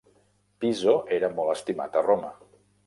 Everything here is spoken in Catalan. Piso era molt estimat a Roma.